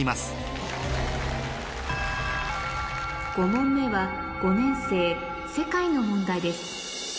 ５問目は５年生世界の問題です